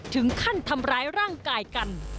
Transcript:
ถึงขั้นทำร้ายร่างกายกัน